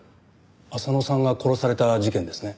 浅野さんが殺された事件ですね？